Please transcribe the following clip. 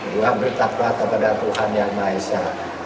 doa bertakwa kepada tuhan yang maha esa